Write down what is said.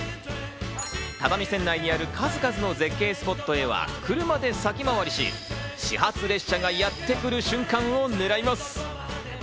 只見線内にある数々の絶景スポットへは車で先回りし、始発列車がやってくる瞬間を狙います。